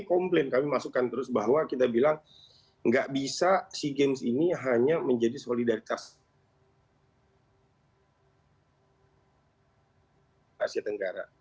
kami komplain kami masukkan terus bahwa kita bilang nggak bisa sea games ini hanya menjadi solidaritas asia tenggara